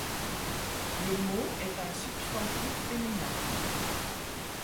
Le mot est un substantif féminin.